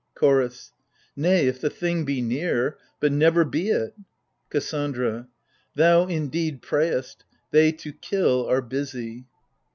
CHORDS. Nay, if the thing be near : but never be it ! KASSANDRA. Thou, indeed, prayest : they to kill are busy